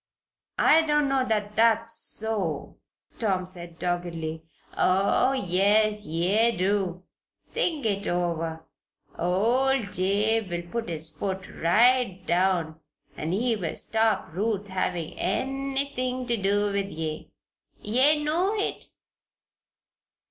"I don't know that that's so," Tom said doggedly. "Oh, yes, ye do. Think it over. Old Jabe will put his foot right down an' he'll stop Ruth havin' anything ter do with ye ye know it!